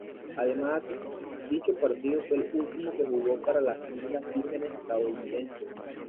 Además, dicho partido fue el último que jugó para las Islas Vírgenes Estadounidenses.